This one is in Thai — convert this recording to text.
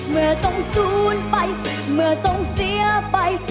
เมื่อต้องศูนย์ไปเมื่อต้องเสียไป